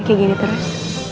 kayak gini terus